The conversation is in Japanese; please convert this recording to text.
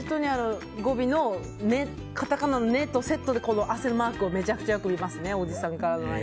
語尾のカタカナの「ネ」とセットにこの汗マークをめちゃくちゃよく見ますねおじさんからのＬＩＮＥ。